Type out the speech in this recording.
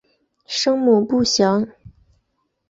生母不详。